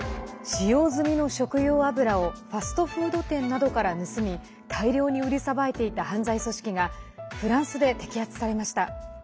使用済みの食用油をファストフード店などから盗み大量に売りさばいていた犯罪組織がフランスで摘発されました。